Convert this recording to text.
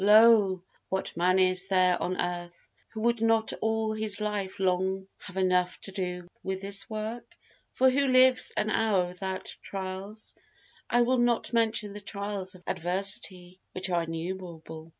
Lo! what man is there on earth, who would not all his life long have enough to do with this work? For who lives an hour without trials? I will not mention the trials of adversity, which are innumerable.